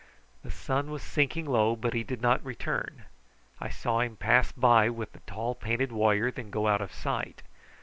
The sun was sinking low, but he did not return. I saw him pass by with the tall painted warrior, and then go out of sight.